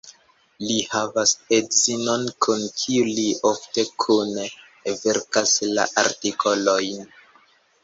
Li havas edzinon kun kiu li ofte kune verkas la artikolojn.